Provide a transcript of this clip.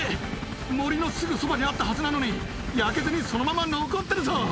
森のすぐそばにあったはずなのに、焼けずに、そのまま残ってるぞ。